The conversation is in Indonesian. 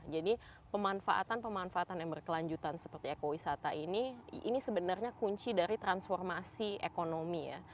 jadi pemanfaatan pemanfaatan yang berkelanjutan seperti ekowisata ini ini sebenarnya kunci dari transformasi ekonomi ya